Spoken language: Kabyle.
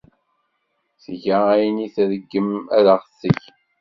Tga ayen ay tṛeggem ad aɣ-t-teg.